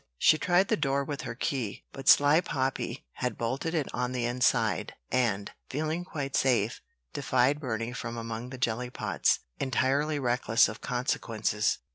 She tried the door with her key; but sly Poppy had bolted it on the inside, and, feeling quite safe, defied Burney from among the jelly pots, entirely reckless of consequences.